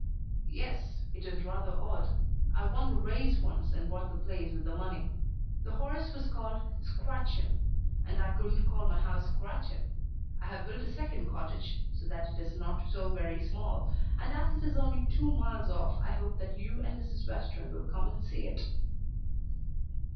"Yes, it is rather odd. I won the race once and bought the place with the money. The horse was called Scratch'em, and I couldn't call my house Scratch'em. I have built a second cottage, so that it is not so very small, and as it is only two miles off I hope that you and Mrs. Western will come and see it."